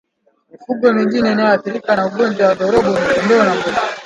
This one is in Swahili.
Mifugo mingine inayoathirika na ugonjwa wa ndorobo ni kondoo na mbuzi